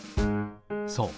そう。